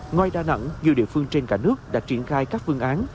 ngoài đà nẵng nhiều địa phương trên cả nước đã triển khai các phương án